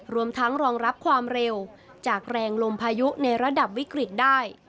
รวมทั้งรองรับความเร็วจากแรงลมพายุในระดับวิกฤตได้